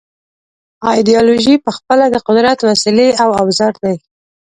ایدیالوژۍ پخپله د قدرت وسیلې او اوزار دي.